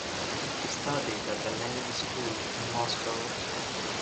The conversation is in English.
He studied at the Lenin School in Moscow.